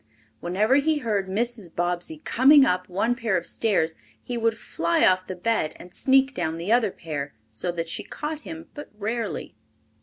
Whenever he heard Mrs. Bobbsey coming up one pair of stairs, he would fly off the bed and sneak down the other pair, so that she caught him but rarely.